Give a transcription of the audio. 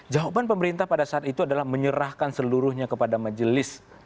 jawaban pemerintah pada saat itu adalah menyerahkan seluruhnya kepada majelis